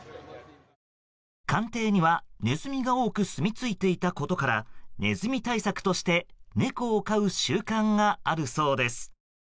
官邸には、ネズミが多くすみ着いていたことからネズミ対策として猫を飼う習慣があるそうです。